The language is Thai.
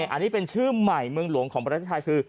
อันนี้เป็นชื่อใหม่เมืองหลวงของประเทศไทยคือ